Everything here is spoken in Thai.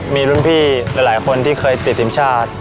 มีรุ่นพี่หลายคนที่เคยติดทีมชาติ